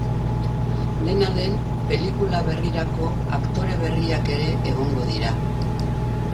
Dena den, pelikula berrirako aktore berriak ere egongo dira.